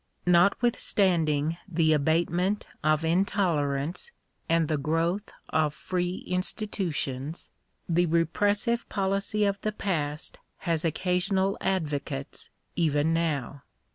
Not withstanding the abatement of intolerance, and the growth of free institutions, the repressive policy of the past has occa sional advocates even now.